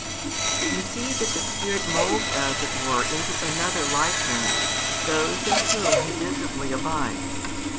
You see that the Spirit moulds as it were into another likeness those in whom He visibly abides.